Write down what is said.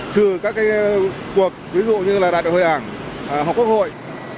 trừ các cái cuộc ví dụ như là đạt được hội ảnh hoặc quốc hội